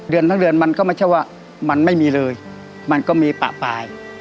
เดือนทั้งเดือนมันก็ไม่ใช่ว่ามันไม่มีเลยมันก็มีปะปลาย